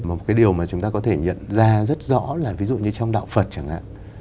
mà một cái điều mà chúng ta có thể nhận ra rất rõ là ví dụ như trong đạo phật chẳng hạn